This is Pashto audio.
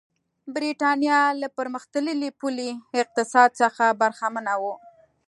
برېټانیا له پرمختللي پولي اقتصاد څخه برخمنه وه.